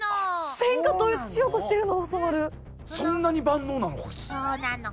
そんなに万能なの？